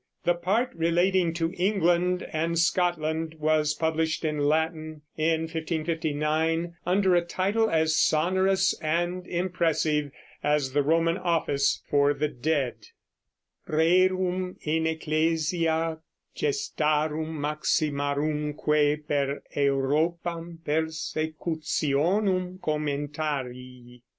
The part relating to England and Scotland was published, in Latin, in 1559 under a title as sonorous and impressive as the Roman office for the dead, Rerum in Ecclesia Gestarum Maximarumque per Europam Persecutionum Commentarii.